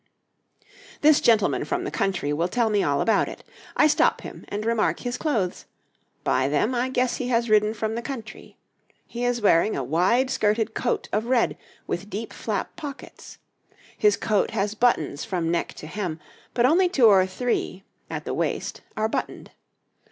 This gentleman from the country will tell me all about it. I stop him and remark his clothes; by them I guess he has ridden from the country. He is wearing a wide skirted coat of red with deep flap pockets; his coat has buttons from neck to hem, but only two or three at the waist are buttoned.